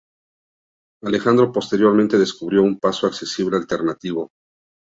Alejandro posteriormente descubrió un paso accesible alternativo.